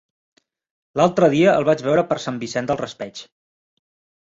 L'altre dia el vaig veure per Sant Vicent del Raspeig.